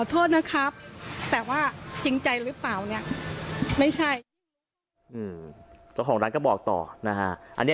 ขอโทษนะครับแต่ว่าทิ้งใจรึเปล่าเนี่ยไม่ใช่